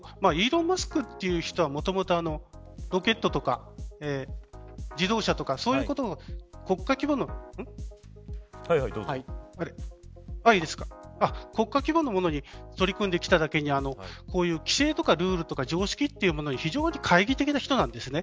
イーロン・マスクという人はもともとロケットとか自動車とか、そういうことの国家規模のものに取り組んできただけにこういう、規制とかルールとか常識というものに非常に懐疑的な人なんです。